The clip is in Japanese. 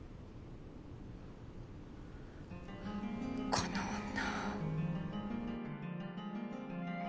この女。